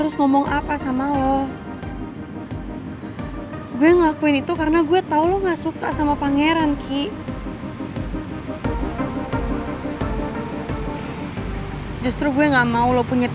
saya langsung aja ya